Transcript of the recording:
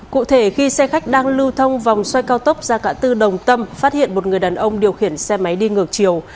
cụ thể khi xe khách đang lưu thông vòng xoay cao tốc ra ngã tư đồng tâm phát hiện một người đàn ông điều khiển xe máy đi ngược chiều